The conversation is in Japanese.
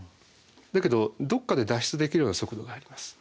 だけどどっかで脱出できるような速度があります。